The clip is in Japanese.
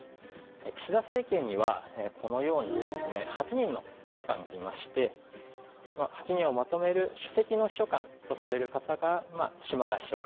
岸田政権には８人の秘書官がいまして８人をまとめる首席の秘書官とされる方が嶋田秘書官。